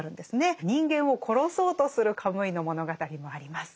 人間を殺そうとするカムイの物語もあります。